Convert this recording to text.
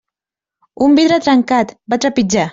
Un vidre trencat, va trepitjar.